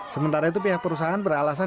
sementara itu pihak perusahaan beralasan